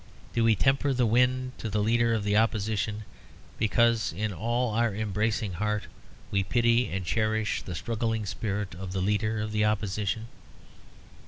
Do we temper the wind to the Leader of the Opposition because in our all embracing heart we pity and cherish the struggling spirit of the Leader of the Opposition?